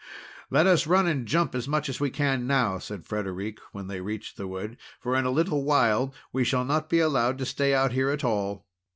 "Let us run and jump as much as we can now," said Frederic, when they reached the wood, "for in a little while we shall not be allowed to stay out here at all!"